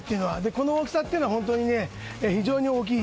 この大きさというのは本当に非常に大きい。